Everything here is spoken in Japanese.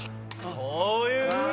そういう。